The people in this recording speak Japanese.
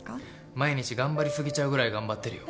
毎日頑張り過ぎちゃうぐらい頑張ってるよ。